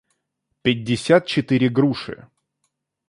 пятьдесят четыре груши